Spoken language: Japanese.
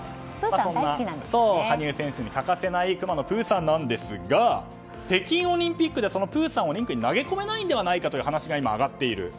羽生選手に欠かせないくまのプーさんですが北京オリンピックでそのプーさんをリンクに投げ込めないのではないかと話が今、上がっている。